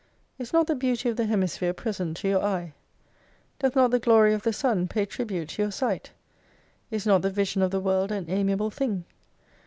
Is not the beauty of the Hemisphere present to your eye ? Doth not the glory of the Sun pay tribute to your sight ? Is not the vision of the World an amiable thing